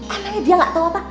anaknya dia nggak tahu apa